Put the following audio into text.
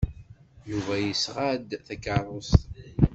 Yuba yesɣa-d takeṛṛust.